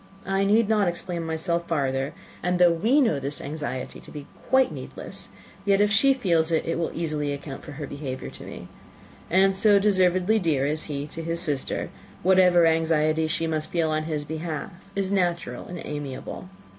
I need not explain myself farther; and though we know this anxiety to be quite needless, yet if she feels it, it will easily account for her behaviour to me; and so deservedly dear as he is to his sister, whatever anxiety she may feel on his behalf is natural and amiable.